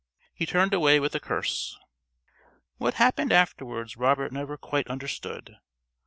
_ He turned away with a curse.... What happened afterwards Robert never quite understood.